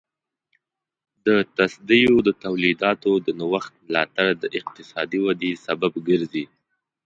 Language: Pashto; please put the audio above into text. د تصدیو د تولیداتو د نوښت ملاتړ د اقتصادي ودې سبب ګرځي.